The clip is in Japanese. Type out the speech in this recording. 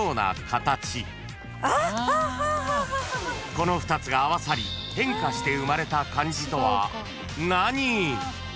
［この２つが合わさり変化して生まれた漢字とは何？］